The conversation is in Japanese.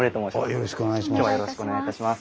よろしくお願いします。